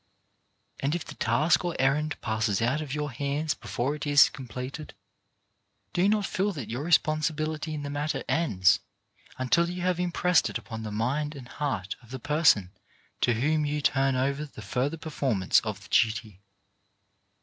And if the task or errand passes out of your hands be fore it is completed, do not feel that your respon sibility in the matter ends until you have im pressed it upon the minds and heart of the person to whom you turn over the further performance of the duty.